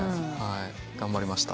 頑張りました。